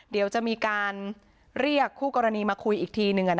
เดี๋ยวจะมีการเรียกคู่กรณีมาคุยอีกทีหนึ่ง